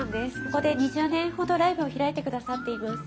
ここで２０年ほどライブを開いてくださっています。